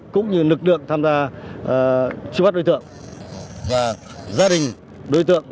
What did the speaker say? cũng như lực lượng tham gia truy bắt đối tượng và gia đình đối tượng